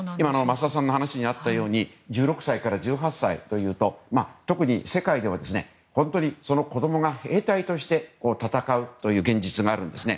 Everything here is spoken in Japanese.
増田さんの話にあったように１６歳から１８歳というと特に世界では子供が兵隊として戦うという現実があるんですね。